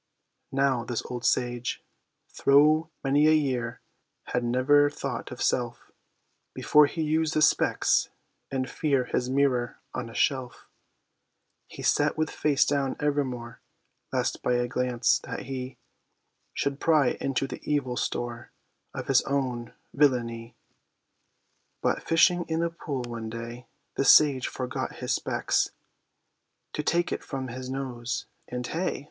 Now, this old sage, thro' many a year, had never thought of self, Before he used the specs: in fear, his mirror, on a shelf, He set, with face down evermore, lest by a glance, that he Should pry into the evil store, of his own villainie. But, fishing in a pool one day, the sage forgot his specs To take it from his nose, and hey!